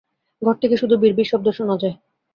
ঘর থেকে শুধু বিড়বিড় শব্দ শোনা যায়।